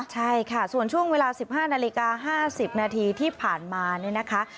ใช่ค่ะส่วนช่วงเวลา๑๕นาฬิกา๕๐นาทีที่ผ่านมาเนี่ยนะคะ